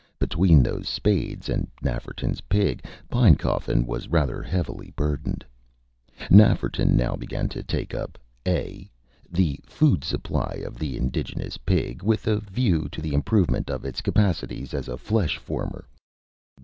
Between those spades and Nafferton's Pig, Pinecoffin was rather heavily burdened. Nafferton now began to take up "(a) The food supply of the indigenous Pig, with a view to the improvement of its capacities as a flesh former.